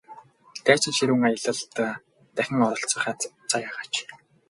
Дайчин ширүүн аялалд дахин оролцох аз заяагаач!